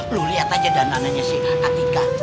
lu liat aja dana dananya si adhika